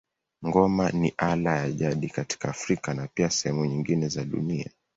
Ngoma ni ala ya jadi katika Afrika na pia sehemu nyingine za dunia.